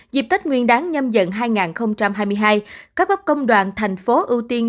dịp tết nguyên đáng nhâm dận hai nghìn hai mươi hai các bấp công đoàn thành phố ưu tiên